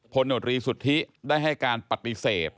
พลงตรีสุธิภูมิภิได้ให้การปฏิเสภ